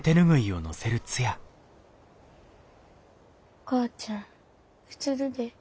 お母ちゃんうつるで。